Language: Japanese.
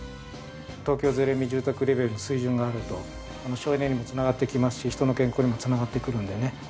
東京ゼロエミ住宅レベルの水準があると省エネにも繋がってきますし人の健康にも繋がってくるんでね